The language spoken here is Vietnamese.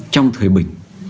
trong thời bình